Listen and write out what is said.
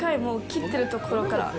切ってるところから。